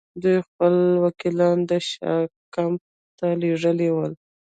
دوی خپل وکیلان د شاه کمپ ته لېږلي ول.